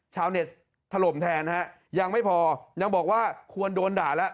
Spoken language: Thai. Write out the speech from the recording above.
ชาวเน็ตถล่มแทนฮะยังไม่พอยังบอกว่าควรโดนด่าแล้ว